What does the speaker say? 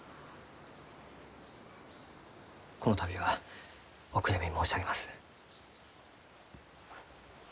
この度はお悔やみ申し上げます。